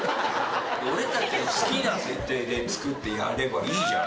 俺たちの好きな設定で作ってやればいいじゃん。